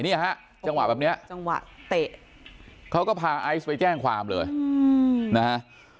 นี่ฮะจังหวะแบบนี้เขาก็พาไอซ์ไปแจ้งความเลยนะฮะ